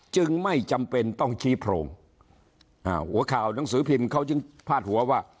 จึงไม่จำเป็นต้องชี้โพรงอ่าหัวข่าวหนังสือพิมพ์เขาจึงพาดหัวว่า